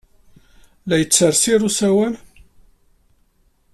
La yettsersir usawal?